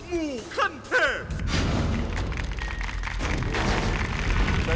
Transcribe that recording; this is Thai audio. สวัสดีครับ